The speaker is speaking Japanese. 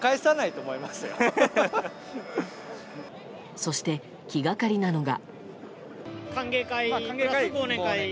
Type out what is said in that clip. そして、気がかりなのが。